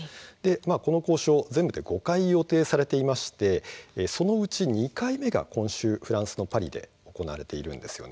この交渉、全部で５回予定されていましてそのうちの２回目が今週パリで行われているんです。